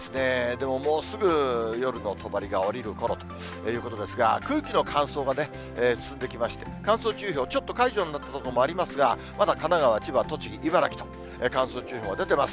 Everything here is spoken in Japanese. でももうすぐ夜のとばりがおりるころということですが、空気の乾燥が進んできまして、乾燥注意報、ちょっと解除になった所もありますが、まだ神奈川、千葉、栃木、茨城と、乾燥注意報が出てます。